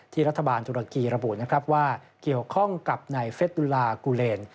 รัฐบาลตุรกีระบุนะครับว่าเกี่ยวข้องกับในเฟสดุลากูเลน